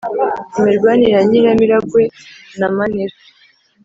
imirwanire ya nyiramiragwe na manira,